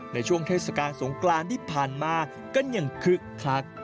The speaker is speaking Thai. ในช่วงเทศกาลสงกรานที่ผ่านมากันอย่างคึกคัก